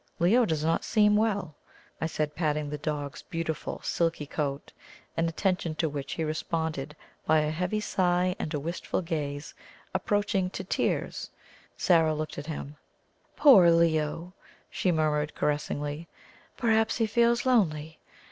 "Leo does not seem well," I said, patting the dog's beautiful silky coat, an attention to which he responded by a heavy sigh and a wistful gaze approaching to tears. Zara looked at him. "Poor Leo!" she murmured caressingly. "Perhaps he feels lonely.